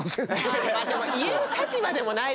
でも言える立場でもない。